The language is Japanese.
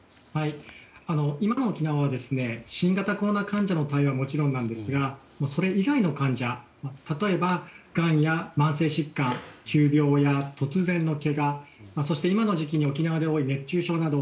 今の沖縄は新型コロナ患者の対応はもちろんなんですがそれ以外の患者例えば、がんやまん延疾患急病や突然のけがそして今の時期に沖縄で多い熱中症など